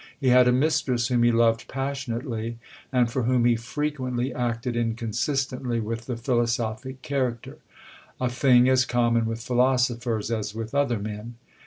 He had a mistress whom he loved passionately, and for whom he frequently acted inconsistently with the philosophic character; a thing as common with philosophers as with other men.